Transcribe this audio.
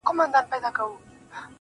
سیاه پوسي ده، خُم چپه پروت دی.